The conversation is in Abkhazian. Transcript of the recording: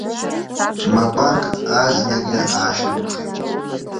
Макәанк азнагьы аашьҭумхит.